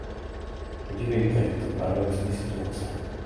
Podívejte, je to paradoxní situace.